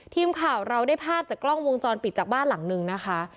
ทีมข่าวเราได้ภาพจากกล้องวงจรปิดจากบ้านหลังนึงนะคะ